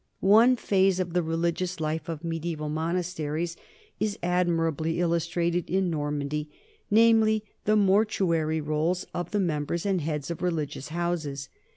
One phase of the religious life of mediaeval monasteries is admirably illustrated in Normandy, namely the mortuary rolls of the members and heads of religious houses.